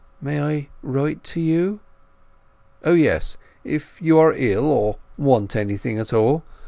"May I write to you?" "O yes—if you are ill, or want anything at all.